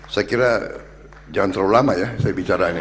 saya kira jangan terlalu lama ya saya bicara ini